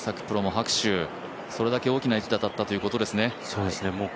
プロも拍手、それだけ大きな１打だったということですね。